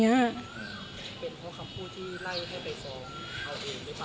เป็นเพราะคำพูดที่ไล่ให้ไปซองเขาเองได้ไหม